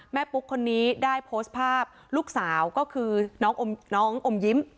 ปุ๊กคนนี้ได้โพสต์ภาพลูกสาวก็คือน้องอมยิ้ม